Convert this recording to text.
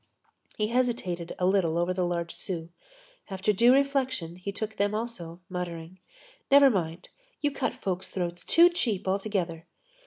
He hesitated a little over the large sous. After due reflection, he took them also, muttering: "Never mind! You cut folks' throats too cheap altogether."